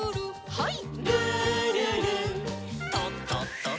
はい。